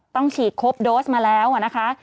ต้องฉีดครบโดสมาแล้วนะคะ